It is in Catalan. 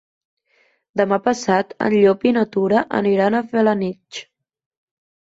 Demà passat en Llop i na Tura aniran a Felanitx.